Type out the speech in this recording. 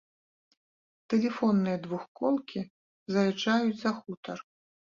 Тэлефонныя двухколкі заязджаюць за хутар.